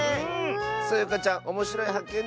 そよかちゃんおもしろいはっけん